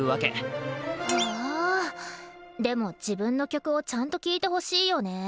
はぁでも自分の曲をちゃんと聴いてほしいよね。